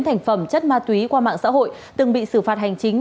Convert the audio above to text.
thành phẩm chất ma túy qua mạng xã hội từng bị xử phạt hành chính